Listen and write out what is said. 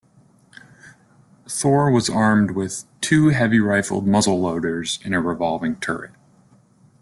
"Thor" was armed with two heavy rifled muzzleloaders in a revolving turret.